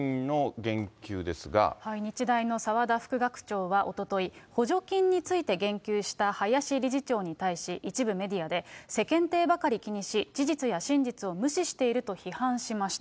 日大の澤田副学長はおととい、補助金について言及した林理事長に対し、一部メディアで、世間体ばかり気にし、事実や真実を無視していると批判しました。